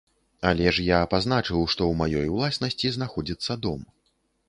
Але ж я пазначыў, што ў маёй уласнасці знаходзіцца дом.